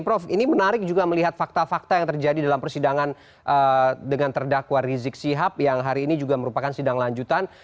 prof ini menarik juga melihat fakta fakta yang terjadi dalam persidangan dengan terdakwa rizik sihab yang hari ini juga merupakan sidang lanjutan